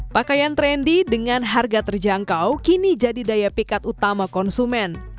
pakaian trendy dengan harga terjangkau kini jadi daya pikat utama konsumen